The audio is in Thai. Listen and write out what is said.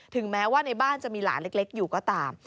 แม้ว่าในบ้านจะมีหลานเล็กอยู่ก็ตาม